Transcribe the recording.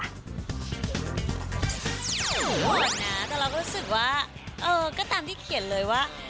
เหมือนนะแต่เราก็รู้สึกว่าเออก็ตามที่เขียนเลยว่า